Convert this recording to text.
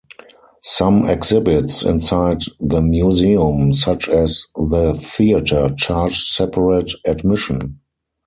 Some exhibits inside the museum, such as the theatre, charge separate admission.